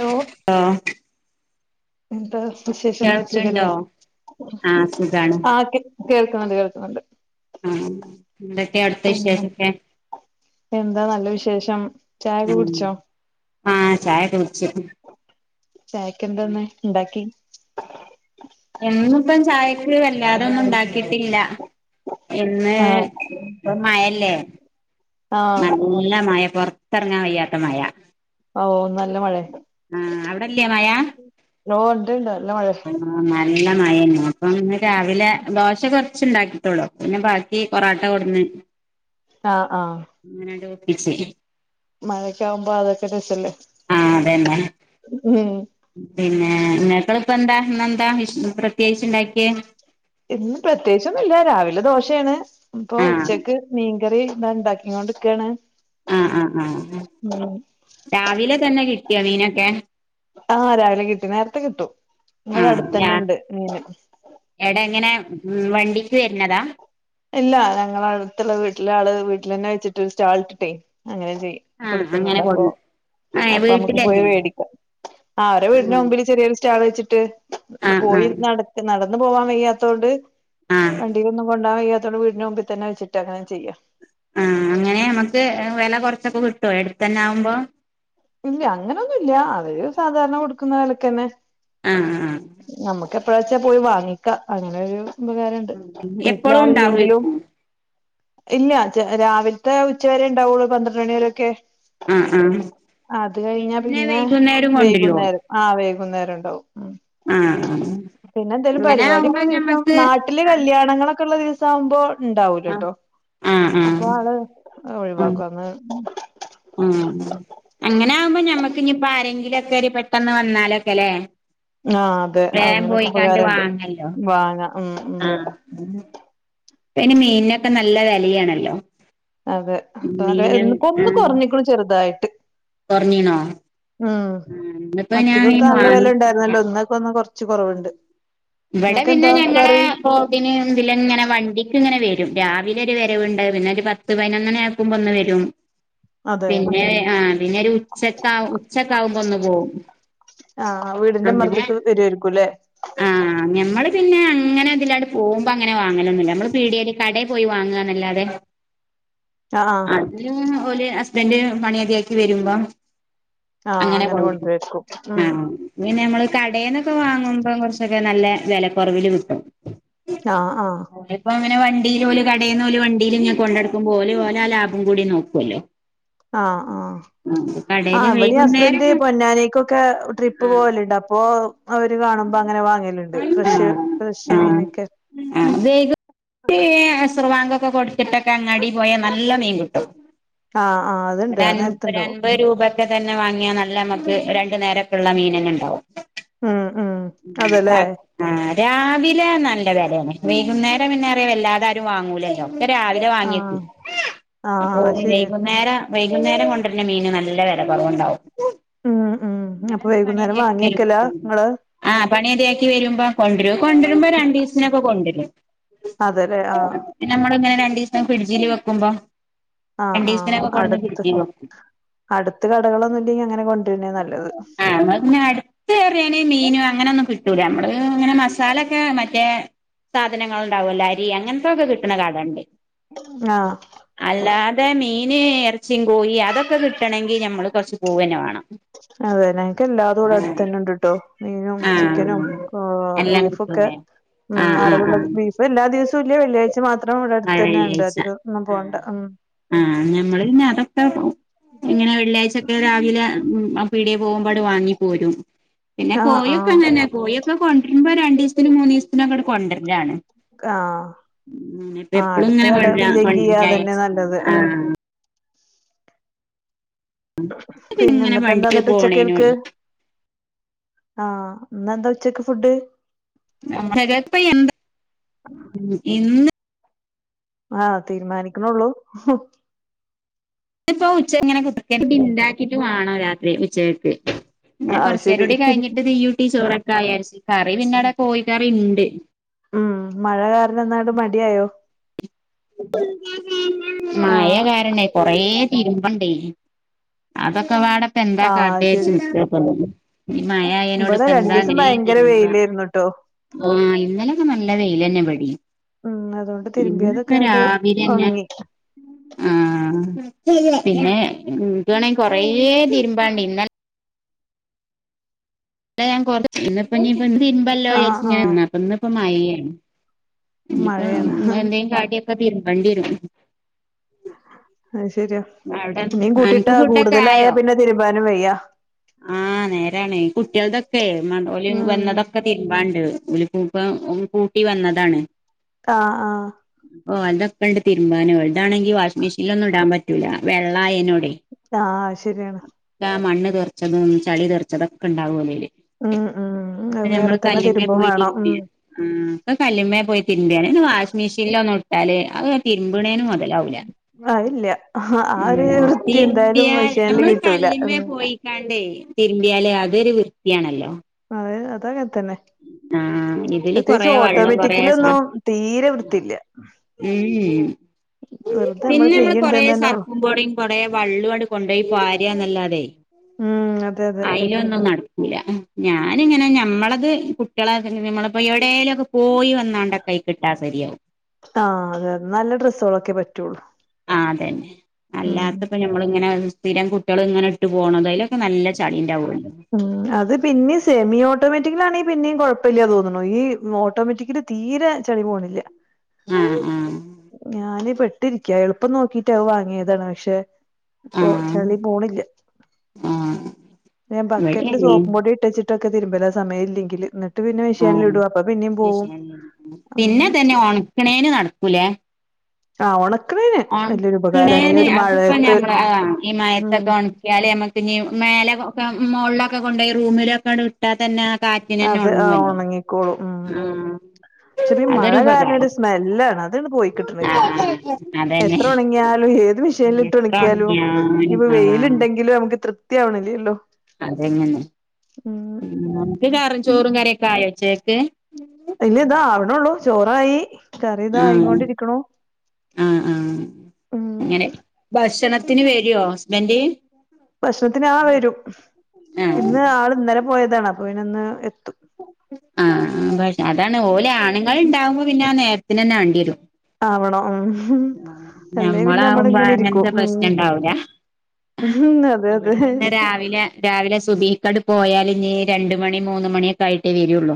Hello ആഹ് എന്താ വിശേഷം സുഖല്ലേ ആഹ് സുഖാണ് ആ ഒക്കെ കേൾക്ക്ണണ്ട് കേൾക്ക്ണണ്ട് ആഹ് എന്തൊക്കെ അടുത്ത വിശേഷൊക്കെ ശേഷം ഉം ആ ചായ കുടിച്ച് ചായക്ക് എന്താന്ന് ഇണ്ടാക്കി? ഞാനിപ്പം ചായക്ക് വല്ലാത ഒന്നും ഉണ്ടാക്കി ക്കിട്ടില്ല പിന്നെ ആഹ് ഇപ്പം മയല്ലേ ആഹ് നല്ല മഴ പൊറത്തറങ്ങാൻ വയ്യാത്ത മഴ ഓഹ് നല്ല മഴേ ആ അവിടെല്ലേ മയാ ഉണ്ടോണ്ട നല്ല മഴണ്ട് നല്ല മഴേനു അപ്പംന്ന് രാവിലെ ദോശ കുറച്ചുണ്ടാക്കിട്ടുള്ളു പിന്നെ ബാക്കി പൊറാട്ട കൊട്ന്ന് ആഹ് അങ്ങനാണ്ട് ഒപ്പിച്ചീനി മഴ ഒക്കെ ആകുമ്പോ അതൊക്കെ രസല്ലേ ആഹ് അതന്നെ ഉം [unintelligible] എന്താ എന്താ പ്രത്യേകിച്ച്ണ്ടാക്കിയേ ഇന്ന് പ്രത്യേകിച്ച് ഒന്നും ഇല്ല രാവിലെ ദോശയാണ് ഇപ്പൊ ആഹ് ഉച്ചക്ക് മീൻ കറി ഇതാ ഉണ്ടാക്കി കൊണ്ടിരിക്കാണ് ആഹ് ആഹ് ആഹ് രാവിലെ തന്നെ കിട്ടിയോ മീനൊക്കെ? ആഹ് രാവിലെ കിട്ടി നേരത്തെ കിട്ടും ഇവിടെ ആഹ് ഞാ അടുത്തന്നെ ഇണ്ട് മീന് എടെ എങ്ങനെ വണ്ടിക്ക് വരുന്നതാ ഇല്ല ഞങ്ങളെ അടുത്തുള്ള വീട്ടിലെ ആള് വീട്ടിൽ തന്നെ വെച്ചിട്ട് സ്റ്റാൾ ഇട്ടിട്ടേ അങ്ങനെ ആഹ് അങ്ങനെ കൊടുക്കുന്നുണ്ട് കൊ അപ്പൊ ഏഹ് അപ്പൊ നമ്മുക്ക് പോയി വീട്ടിലന്നെ മേടിക്കാം ആ അവടെ വീടിന ആഹ് മുമ്പില് ചെറിയൊരു സ്റ്റാൾ വെച്ചിട്ട് ആഹ് പോയി ആഹ് നട നടന്ന പോവാാൻ വയ്യാത്തോണ്ട് ആഹ് വണ്ടിന്നും കൊണ്ടോവാൻ വയ്യാ വീടിന് മുമ്പ തന്നെച്ചിട്ട്ങ്ങനെ ചെയ്യാം ആഹ് ട്ടോ എടുത്തന്നെ ആകുമ്പോ ഇല്ല അങ്ങനെയൊന്നുമല്ല അവോ സാധാരണ കൊടുക്കുന്ന വലക്ക് തന്നെ ആഹ് ആഹ് നമുക്ക് എപ്പോഴ വെച്ചാ പോയി വാങ്ങിക്ക അങ്ങനെരു ഉപകാരംണ്ട് വീട്ടില എപ്പളും ആളില്ലെങ്കിലും ഉണ്ടാവേക്കും ഇല്ല രാവിലത്തെ ഉച്ചവരെ ഉണ്ടാവുള്ളൂ പന്ത്ര മണിിവരൊക്കെ ആഹ് ആഹ് അത് കഴിഞ്ഞാ പിന്നെ വൈകുന്നേരം കൊണ്ടരോ വൈകുന്നേരം ആ വൈകുന്നേരം ഉണ്ട് ആ ഉ ആഹ് പിന്നെ എന്തായാലും അങ്ങനെ ആവുമ്പോ പരിപാടിക്കുള്ള ദിവസം ഞമ്മക്ക് നാട്ടിലെ കല്യാണങ്ങളൊക്കെ ഉള്ള ദിവസം സംഭവം ആഹ് ഇണ്ടാവൂലട്ടോ ആഹ് അപ്പൊ ആള് ആഹ് ഒഴിവാക്കും അങ്ങ് ആ അങ്ങനെ ആകുമ്പോ ഞമ്മക്ക് ഇനിപ്പോ ആരെങ്കിലും ഒക്കെ ഒരു പെട്ടെന്ന് വന്നാലൊക്കെ അല്ലേ ആ അതെ വേഗം അങ്ങനൊക്കെ പോയി കണ്ട് ഉപകാരണ്ട് വാങ്ങല്ലോ വാങ്ങാ ഉം ഉം ആഹ ഇനി മീനിനൊക്കെ നല്ല വിലയാണല്ലോ അതെ അക്ക ഒന്ന് കുറഞ്ഞിക്കണ ചെറുതായിട്ട് പറഞ്ഞീണോ ഉം മത്തിക്കൊക്കെ നല്ല വാങ്ങിട്ടില്ല വിലുണ്ടായിരുന്നല്ലോ ഒന്നൊക്കെ ഒന്ന് കൊറച്ച് ആഹ് കുറവുണ്ട് ഇവിടെ നിങ്ങക്ക് പിന്നെ എന്താ ഞങ്ങള കറി കോന് എതില ഇങ്ങനെ വണ്ടിക്ക് ഇങ്ങനെ വ രും രാവില ഒരു വരവുണ്ട് പിന്നെ ഒരു പത്ത് പതിനൊന്നണെ ആക്കുമ്പോ ഒന്ന് വരും അതെ പിന്നെ ആഹ പിന്നെരു ഉച്ചക്കാവ ഉച്ചക്കാവുമ്പോ ഒന്നു പോകവും ആഹ് വീടിന്റെ മറത്തക്ക് വരുമായിരിക്കുംല്ലേ ആഹ് ഞമ്മള് പിന്നെ അങ്ങനെ അതില്ലാടെ പോകുമ്പോ അങ്ങനെ വാങ്ങലൊന്ന നമ്മള് പീടിയല് കടയിൽ പോയി വാങ്ങുകന്നല്ലാതെ ഉ അതില് ഒരു ഹസ്ബൻഡ് മണിയതിയാക്കി വരുമ്പം ആ അങ്ങനെ കൊ കൊണ്ടുവരായിരിക്കും ആ ഉം പിന്നെ നമ്മള് കടയിൽന്നൊക്കെ വാങ്ങുമ്പോ കുറച്ച് ക്കെ നല്ല വിലക്കുറവിൽ കിട്ടും ആഹ് ആഹ ഇപ്പൊ അങ്ങനെ വണ്ടിൽല കടയിൽല വണ്ടിൽ ഇങ്ങെ കൊണ്ട നടടുക്ക്പോലെ പോലെ ആ ലാഭം കൂടി നോക്കല്ലോ ആഹ് ആഹ ആ കടേല് അവിടെ ഹസ്ബന്ഡ വൈകുന്നേരം പൊന്നാനേക്കൊക്കെ ട്രിപ്പ് ആഹ് പോവലുണ്ട് അപ്പൊ അവര് കാണുമ്പോ അങ്ങനെ വാങ്ങലുണ്ട് ഫ്രഷ് ആഹ് ഫ്രഷ് മീനൊക്കെ സർവാങ്കൊക്കെ കൊടുച്ചിട്ടൊക്കെ അങ്ങാടി പോയാ നല്ല മീൻ കിട്ടും ആഹ് ആഹ് അതുണ്ട് ഒരുപ ആ ഒരു നേരത്തുണ്ടാവും അൻപത് രൂപക്കെ തന്നെ വാങ്ങിയ നല്ല മ ക്ക് രണ്ടു നേര ഒക്കെ ഉുള്ള മീനങ്ങ ഉണ്ടാവും ഉം ഉം അതല്ലേ ആ് രാവിലെ നല്ല വിലയെ വൈകുന്നേരം പിന്നേ വല്ലാതരും വാങ്ങൂലല്ലോ ഒക്കെ രാവിലെ ആഹ് വാങ്ങിയട്ടു അപ്പൊ ആഹ് ശരിയാ വൈകുന്നേരം വൈകുന്നേരം കൊണ്ട തന്ന മീന് നല്ല വില കുറവുണ്ടാവും ഉം ഉം അങ്ങനെ അപ്പൊ അത് പണിയ വൈകുന്നേരം അധക്കി വാങ്ങിയക്കല നിലക്കണ്ട് നിങ്ങള് ആഹ പണി അതയാക്കി വരുമ്പോ കൊണ്ടുവരു കൊണ്ടുവരുമ്പോ രണ്ടു ദിവസനൊക്കെ കൊണ്ടുവരും അതെല്ലേ ആഹ് പിന്നെ നമ്മള ഇങ്ങനെ രണ്ട ദിവസം ഫ്രിഡ്ജില് വെക്കുമ്പോ ആഹ ആഹ രണ്ടീസത്തിനൊക്കെ കൊട്ന്ന് അടുത്ത് ഫ്രിഡ്ജില് വെക്കും. അടുത്ത് കടകളൊന്നും ഇല്ലങ്ക അങ്ങനെ കൊ ആ പിന്നെ അടുത്ത റിയനെ മീനും അങ്ങനെ ഒന്നും കിട്ടൂല നമ്മടെ ഇങ്ങനെ മസാലൊക്കെ മറ്റേ സാധനങ്ങൾ ഉണ്ടാവല്ല അങ്ങനത്തൊക്കെ കിട്ടുന്ന കാടണ്ട് ആഹ് അല്ലാ ഇടെ മീന് ഇറച്ചിയും കോഴ അതൊക്കെ കിട്ടണമെങ്കി നമ്മൾ കൊറച്ച് പൂവ തന്നെ വേണം അതെ ങ്ങക്ക് എല്ലാതും കൂടെ അടുത്ത് ആഹ് തന്നെണ്ട് കട്ടോ മീനും ആഹ് ചിക്കനും എല്ലാം ബീഫൊക്കെ കിട്ടൂലേ ഉം ആഹ് ആഹ് അറിവുള്ളത് ബീഫ് എല്ലാ ദിവസവും ഇല്ല വെള്ളിയാഴ്ച മാത്രം ഇവിടെ അടുത്ത് തന്നെ ഉണ്ട് വഴള്ളിയാഴ്ച. അധികം ഒന്നും ആ. പോണ്ട ഉം ആഹ ഞമ്മള്ഞ്ഞ അതൊ..? [unintelligible] ഇങ്ങനെ വെള്ളിയാഴ്ചൊക്കെ രാവിലെ. മ്. പീടിയെ പോവുമ്പോ വാങ്ങിപ്പോരും... പിന്നെ ആഹ് കോഴൊക്കെ ആഹ് അങ്ങനെ കോഴൊക്കെ കൊണ്ടുവരുമ്പോ രണ്ട ദിവസത്തിനുംൂന്നന്ന് ദിവസത്തിനും അക്കടെ കൊണ്ടരുകാണ് കഹ ആഹ എപ്പളും അടുത്ത ഇങ്ങനെ കൊണ്ടരാ കടേളിയില്ലെങ്കി കൊണ്ടരണ്ട അതന്നെ നല്ലത് ഉം.. ആഹ് ഇങ്ങനെ പിന്നെന്ന്പ്പെ. വണ്ടിക്ക് എന്താന്നട്ട് പോണേനോട് ഉച്ചക്കൽക്ക്.? ആഹ എന്ന എന്താ ഉച്ചക്ക് ഫുഡ്... പ്പ [unintelligible] എന്താ ഇന്ന് ആ, തീരുമാനിക്ണൊള്ളൂ... ഇപ്പോ. ഉച്ച. ഇങ്ങനെ. കുക്ക പിിണ്ടാക്കിട്ട് [unintelligible] വണോ രാത്രി. ഉച്ചകക്ക്... പിന്ന. ആഹ് ശരി കൊറചേരൂടി. കഴിഞ്ഞിട്ട് തീ യൂട്ടീ ചോറക്കെ. വിയാരിച് കറി പിന്നെടെ കോഴിക്കറിണ്ട്.... ഉം, മഴ കാരണം ഇന്നാണ്ട് മടിയോ.? മയ ആഹ് കാരണേ കൊറേ തിരുമ്പണ്ടേ അതൊക്കെവാടേ. പന്താ ആഹ് കാട്ടെച്ചി ശരി ഈ മയ അയനോട് ഇവിടെ ഇപ്പ എന്താ രണ്ടീസം എങ്ങനെ ഭയങ്കര തിരുമ്ബ വെയിലായിരുന്നുട്ടോ ആഹ് ഇന്നലിം നല്ല വെയിലെന്നെ ഇബടിം ഉം അതുകൊണ്ട് ഇന്ന് പ്പേ തിരുമ്പിയതൊക്കാണ്ട് രാവിലെന്നെ ഒണങ്ങി ആഹ് പിന്നെ ത്ണെങ്കിൽ കൊറേ തിരുമ്പാണ്ടി ഇന്നലെ അല്ല ഞാൻ ഇന്ന് ആഹ് വിചരിച്ച ആഹ് ഇന്നിപ്പം മയയാണ് ഇനിപ്പോ മഴയാണ് എന്തേും കാട്ടിയൊക്കെ തിര് ബണ്ടിരും അഹ് ശരിയാ ഇനിയും അനക്ക് കൂട്ടിട്ടാ ഫുഡൊക്കെ കൂടുതലായാ ആയോ പിന്നെ തിരുമ്പാനും വയ്യാ ആഹ് നേരാണ് കുട്ടിൾതൊ ക്കെലി ഉം വന്നതൊക്കെ തിരുമ്പണ്ട് ഉലൂപ്പം കൂട്ടി വന്നതാണ് ആഹ് ആഹ് ഓ അതൊ ക്കെണ്ട് തിരുമ്പാനു വാഷിംഗ് മിഷീലൊന്നും ഇടാൻ പറ്റൂലാ വെള്ളാആയെനു ആഹ് ശരിയാണ് മണ്ണ് തറിച്ചതും ചളി തെറിച്ചതൊക്കെ ഉണ്ടാവും ഓലേയിൽ അ ആ ക്കെ ഞമ്മള് കല്ലിമ്മേ പോയി തിരിമ്പി ആ ഇപ്പൊ കല്ലിമ്മേ പോയി തിരുമ്പിയാലേ വാഷി മിഷീനിലോ അല് അഹ് തിരുമ്പണേനും അതെ ആഹ് ഇല്ല്യ മ്മ് തിരുമ്പിയാൽ മെഷീനിൽ നമ്മൾ കിട്ടൂല ഉം കല്ലിമ്മേ പോയിക്കാണ്ടേ തിരുമ്പി യാല് അത് ഒരു വൃത്തിയാണല്ലോ അഹ് അതങ്ങ തന്നെ ആ ഇതില് പ്രത്യേകിച്ച് കൊറേ വെള്ളം കൊറേ ഓട്ടോമിറ്റികിലൊന്നും തീരെ വൃത്തിയില്ല മ്മ് വെറുതെ പിന്നെ നമ്മൾ കൊറെ ചെയ്യണ്ട്ന്ന് തന്നെ ഉള്ളു സർപ്പും പോടിയും കൊറ വള്ളും കൊണ്ടുപോയി പാര്യാന്നല്ലാതെ ഉം അതെ അതെ ല്ല ഞാനിങ്ങനെ ഞമ്മളത് കുട്ടികളെ നമ്മളപ്പോ എവിടേ ലുക്കെ പോയി വന്നാണ്ട് ഒക്കെ അധികിടാ ശരിയാവും ആഹ് അതെ അതെ നല്ല ഡ്രസ്സുകളൊക്കെ പറ്റുള്ളൂ ആ അതന്നെ ഉം അല്ലാത്തപ്പോ നമ്മളി ങ്ങനെ മ് സ്ഥിരം കുട്ടിള് ഇങ്ങനെ ഇട്ട് പോണത് അതിലൊക്ക നല്ല ചളി ഉണ്ടാവു. ഉം അത് പിന്നിം സെമി ഓട്ടോമെ റ്റിക്കലാണി പിന്നിം കൊഴപ്പമില്ല്യ തോന്നുകയും ഈ ഓട്ടോമാറ്റിക്കല് തീരെ ചളി പോണില്ല്യ ആ ആ ഞാൻ പെട്ടു ട്ടിരിക്യ എളുപ്പം നോക്കിട്ട് അത് വാങ്ങിയതാണ് പക്ഷേ ആ ഇപ്പൊ ചളി പോണില്ല്യ ആ ലെ ഇവിടെ ബക്കറ്റിൽ അങ്ങനെയാ സോപ്പും പൊടി ഇട്ടച്ചിട്ടൊക്കെ തിരുമ്പോല സമയമല്ലെങ്കിൽ ഇന്നിട്ട് ഇട്ട് പിന്നെ ആ മിഷേൻൽ ഇടും അപ്പൊ പിന്നും പോവും പിന്നെ തന്നെ ഒണക്കണേന് നടക്കൂലേ ആഹ് ഒണ ഒണക്കണേന് അതിപ്പ മഴയത്ത് ഞമ്മള ആ ഈ ഉം മയത്തൊക്കെ ഉണക്കിയാല് നമ്മക്ക് ഇനി മേലെ മുകളളിലൊക്കെ കൊണ്ടയി റൂമിലൊക്കെ അങ്ങ് ഇട്ടാതന്നെ ആ കാറ്റിനന്നെ അതെ ആ ഉണങ്ങുവല്ലോ ഒണങ്ങിക്കോളും ഉം ആഹ് പക്ഷെ ഈ മഴ കാരണ ഒരു ഉപകാരം സ്മെല്ലാണ് അതാണ് പോയി കിട്ടണില്ല ആഹ് അതന്നെ എത്ര ഉണങ്ങിയാലും ഏത് മിഷയത്തിലിട്ട് എത്ര ഉണിക്കിയാലും ഉണങ്ങിയാലും ഇപ്പ വെയിലുണ്ടെങ്കിലും നമ്മുക്ക് തൃപ്തിയാവണില്ലേല്ലോ അതെങ്ങനെ നനക്ക് കറിയും ചോറു ഒക്കെ ആയോച്ചേക്ക് ഇല്ല ഇതാ ആവിണള്ളൂ ചോറായി കറി ആഹ് ഇതായിക്കൊണ്ടിരിക്കണു ആഹ് ആഹ് ഉം അങ്ങനെ ഭക്ഷണ ത്തിന് വേരുയോ ഹസ്ബൻ്റ് ഭക്ഷണത്തിന് ആ വരും ആഹ് ഇന്ന് ആള് ഇന്നലെ പോയതാണ് അപ്പൊ ഇന്ന് എത്തു ആ പ അതാണ് ഓലെ ആണുങ്ങൾ ഉണ്ടാവുമ്പോ പിന്നെ ആ നേരത്തിന് തന്നെ വണ്ടി വരും ആണോ ഉം ആ അല്ലേ പിന്നെ നമ്മള് ഞമ്മളാവുമ്പോ ഇങ്ങനെ ഇരിക്കും അങ്ങനന്ത ഉം പ്രശ്നം ഉണ്ടാവൂല ഉം അതെ അതെ ഇവിടെ പിന്നെ രാവിലെ രാവിലെ സുബഹി എിക്കാട് പോയാലും ഇീ രണ്ട മണി മൂന്ന് മണിയൊക്കെ ആയിട്ടേ വരുുള്ളൂ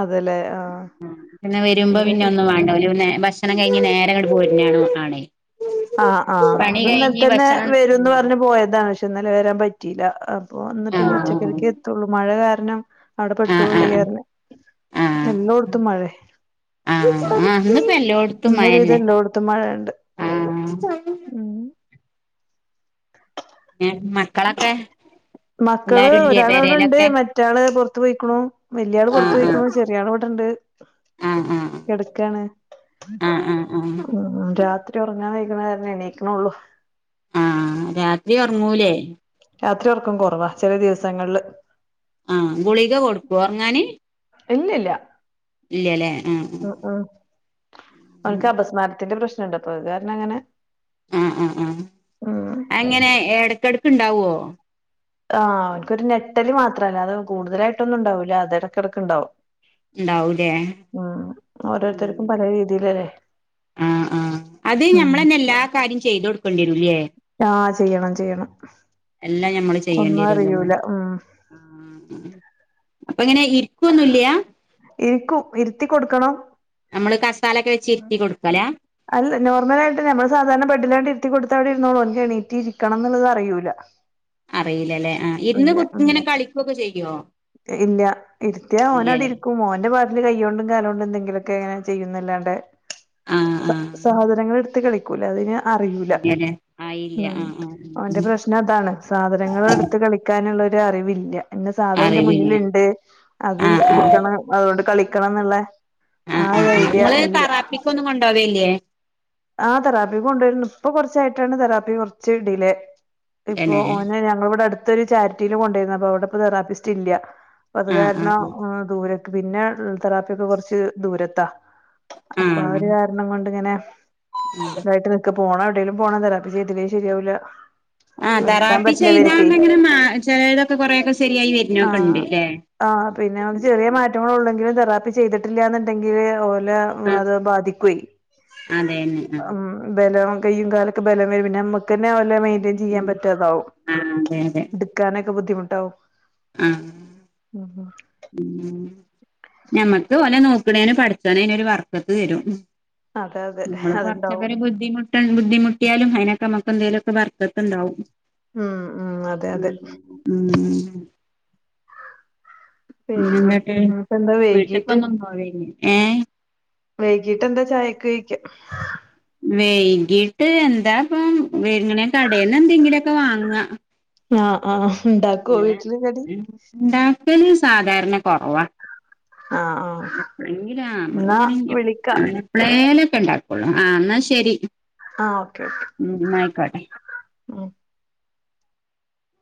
അതെല്ലേ ആഹ് ആ പിെ വരുമ്പോ പിന്നെ ഇവര് ഒന്നും വേണ്ട കക്ഷണം കഴിഞ്ഞഞ് നേരങ്ങട്ട പോയിട്ട ആണോ ആണെ ആഹ് ആഹ് അത് ഇന്നലെ തന്നെ ഭക്ഷണം വരുംന്ന് പറഞ്ഞഞ് പോയതാണ് പക്ഷെ ഇന്നലെ വരാൻ പറ്റിയില്ല ആ ഇപ്പൊ വന്നിപ്പ ഇനി ആഹ് ഉച്ചക്കരക്ക് എത്തുള്ളൂ മഴ കാരണം അവിടെ പെട്ടു ആഹ് ആഹ് ഈറി എല്ലായിടത്തും മഴ ആ ആ് അ എല്ലടത്തും ഇന്നൊരുവിധം മന്നെ എല്ലോടത്തും മഴയുണ്ട് ആ [unintelligible] ഉം മക്കളൊക്കെ മക്കള് എല്ലാരും ഇല്ലേ ഒരാൾ അവിടെണ്ട് പെരേലൊക്കെ മറ്റാള് പുറത്തു പോോയിക്കണു വലിയ ആള് പുറത്തു ആഹ് പോോയിക്കണു ചെറിയ ആള അവിടെ ണ്ട് കടക്കാണ് ആഹ ആഹ ഉ രാത്രി ഉറങ്ങാൻ വഴക്കണ കാരണ എണീക്കണള്ളൂ ആ രാത്രി ഉറങ്ങൂലേ രാത്രി വർക്കും കുറവാ ചില ദിവസങ്ങളില് ആ ഗുളിക കൊടുക്കൂ ഉറങ്ങാന് ഇല്ലല്ല ആഹ് ഉ ഉ അവനക്ക് അപസ്മാരത്തിന്റെ പ്രശ്നം കാരണം അങ്ങനെ ആഹ ആഹ് ആഹ ഉം അങ്ങനെ എടക്കിടക്ക്ുണ്ടാവുവോ ആഹ് അവനക്ക്ൊരു നെട്ടല് മാത്രല്ല അത് കൂടുതലായിട്ടൊ ഒന്നും ഉണ്ടാവൂില്ല അതിടക്കിടക്ക് ഉണ്ടാവും ഉണ്ടാവടെേ ഉം ഓരോരുത്തർക്കും പല രീതിയിലല്ലേ ആഹ ആഹ് അത് ഉം ഞമ്മൾന്നെ എല്ലാ കാര്യം ചെയ്ത് കൊടുക്കേണ്ടിരൂല്ലേ ആ ചെയ്യണം ചെയ്യണം എല്ലാം നഞമ്മള് ചെയ്യേണ്ടി ഒന്നും വരുല്ലോല്ലേ അറിയൂല ഉം ആ അപ്പൊ എങ്ങനെ ഇരിക്കുവൊന്നുംല്ലയാ കൊടുക്കണംോ ഇരുത്തി കൊടുക്കലാ അല്ല നോർമലായിട്ട് നമ്മള് സാധാരണ ബഡിലാണ്ട് ഇത്തി കൊടു ഇവി ഇുന്നോളൂ ഒൻ എണീറ്റി ഇരിക്കണം എന്നുള്ളത് അറിൂല്ല അറിയില്ലല്ലേ ആ് ഇരുന്ന് കു ഇങ്ങനെ കളിക്കൊക്കെ ചെയ്യോ രുത്തിയ ഓനോട് ഇല്ലല്ലേ ഇരിക്കും ഓൻന്റെ പാട്ടില് കയ്യ കൊണ്ടും കാലം കൊണ്ടും എെങ്കിലുമൊക്കെ അങ്ങനെ ചെയ്യുന്നല്ലാണ്ട് ആഹ് സ ആഹ് സഹോദരങ്ങൾ എടുത്ത കളിക്കൂല അതിന് അറിയിൂല ഇല്ലല്ലേ ആഹ് ഇല്ല ഉം ആഹ് ആഹ് അവന്റെ പ്രശ്നം അതാണ് സാധനങ്ങളൾ എടുത്ത് കളിക്കാനുള്ള അറിവില്ലന്ന സാധനന്റെ അറിവില്ല മുന്നിലുണ്ട് അത് ആഹ് എനിക്ക് ആഹ് എടുക്കണം അത കളിക്കണംന്നുള്ളെ ആഹ് ആ ആ് നിങ്ങള് താറാപ്പിക്ക ഒന്നും കൊണ്ടോവേല്ലേ ആ തെറാപ്പി കൊണ്ടുവരരുന്നു ഇപ്പൊ കൊറച്ചായിട്ടാണ് തെറാപ്പി കുറച്ച് ഇടിലേ ഇപ്പൊ തന്നെ ഓനെ ഞങ്ങള ഇവിടെ അടുത്തൊരു ചാരിറ്റിയിൽ കൊണ്ടരുന്ന അപ്പൊ അവിടെ ഇപ്പ തെറാപ്പിസ്റ്റ് ഇല്ല അപ്പ അത് ആഹ് കാരണം ആഹ് ദൂര പിന്നെ തെറാപ്പിയ ഒക്കെ കുറച്ച് ദൂരത്താ അപ്പൊ ആ ആഹ് ഒരു കാരണം കൊണ്ട് ഇങ്ങനെ ഇതായിട്ട് ന പോണം എവിടെങ്കിലും പോണം തറാപ്പി ചെയ്തില്ലങ്കിൽ ശരിയാവൂല്ല ആ തറാപ്പി ചെയ്താെങ്ങനെ ചിലരത് തൊക്കെ കൊറെൊക്കെ ശരിയായി വരുന്നൊക്കെ ആഹ് ഉണ്ട്ല്ലേ ആഹ് പിന്നെ നമുക്ക് ചെറിയ മാറ്റങ്ങൾ ഉള്ള തെറാപ്പി ചെയ്തിട്ടില്ലന്നുണ്ടെങ്കില് ഓലെ ആ അത് ബാധിക്കുവേ അതന്നെ ഉം ബലം കയ്യും കാലൊക്കെ ബലം വരും പിന്നെ നമ്മക്ക് തന്നെ വല്ല മെയ്ൻ്റെയ്ൻ ചെയ്യാൻ പറ്റാതാകും ആഹ് ആഹ് അതെ അതെ എടുക്കാനെ ക്കെ ബുദ്ധിമുട്ടാവും ആഹ് ഉം ഞമ്മക്ക് ഓനെ നോക്കണതിന് പടച്ചോൻ ഐന് ഒരു ബർക്കത്ത് തരും അതെ അതെ നമ്മള് അതുണ്ടാവും കൊറച്ചുപേര ബുദ്ധിമുട്ട ബുദ്ധിമുട്ട മുട്ടിയാലും അതിനൊക്കെ നമുക്ക് എന്തേലും ബർക്കത്ത് ഉണ്ടാവും ഉം ഉം അതെ അതെ ഉം ഉം ഉം പിന്നെ എന്തൊക്കെ ഇന്നിപ്പ എന്താ വൈകീട്ട് വീട്ട്ക്കൊന്നും പോവേല്ലെ ഏഹ് വൈകീട്ട് എന്താ ചായക്ക് കഴിക്കാ വൈകീട്ട് എന്താപ്പം [unintelligible] കടേന്ന് എന്തെങ്കിലും ഒക്കെ വാങ്ങാ ആഹ് ആഹ് ഉണ്ടാക്കോ വീട്ടില് കടി ക്കല് സാധാരണ കൊറവാ ആഹ് ആഹ് എപ്പളെങ്കില് ആ എന്നാ നമ്മള്ങ്ങനെ എപ്പ് ആ വിളിക്കാം എപ്പളേലൊ ക്കെണ്ടാക്കോള്ളു ആ എന്നാ ശരി ആ ഓക്കെ ഓക്കെ ഉം ആയിക്കോട്ടെ ഉം